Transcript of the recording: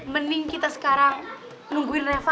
mending kita sekarang nungguin reva